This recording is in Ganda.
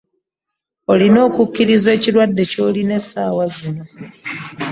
Olina okukiriza ekirwadde kyolina essaawa zino.